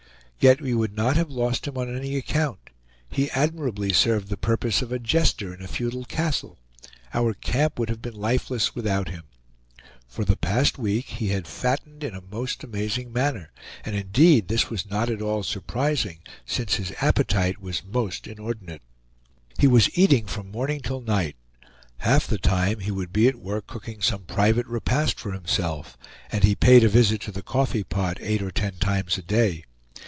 Yet we would not have lost him on any account; he admirably served the purpose of a jester in a feudal castle; our camp would have been lifeless without him. For the past week he had fattened in a most amazing manner; and indeed this was not at all surprising, since his appetite was most inordinate. He was eating from morning till night; half the time he would be at work cooking some private repast for himself, and he paid a visit to the coffee pot eight or ten times a day.